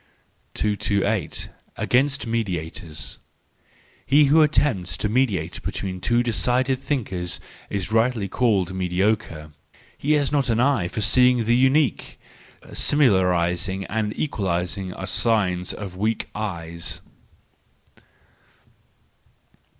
228. Against Mediators .—He who attempts to mediate between two decided thinkers is rightly called mediocre : he has not an eye for seeing the unique ; similarising and equalising are signs of weak eyes.